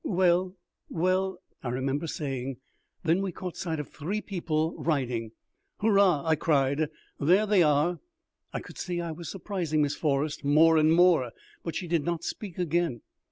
"Well, well," I remember saying. Then we caught sight of three people riding. "Hurrah!" I cried, "there they are." I could see I was surprising Miss Forrest more and more, but she did not speak again.